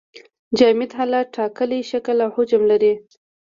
جامد حالت ټاکلی شکل او حجم لري.